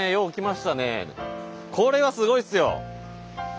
これはすごいですよ。